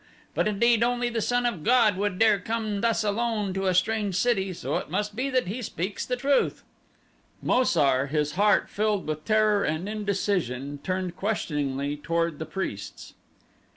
But indeed only the son of god would dare come thus alone to a strange city, so it must be that he speaks the truth." Mo sar, his heart filled with terror and indecision, turned questioningly toward the priests.